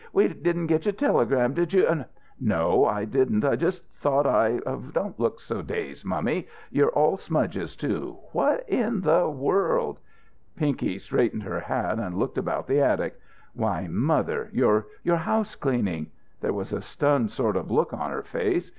We didn't get your telegram. Did you " "No; I didn't. I just thought I Don't look so dazed, mummy You're all smudged too what in the world!" Pinky straightened her hat and looked about the attic. "Why, mother! You're you're house cleaning!" There was a stunned sort of look on her face.